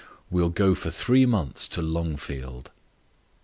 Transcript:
We'll go for three months to Longfield."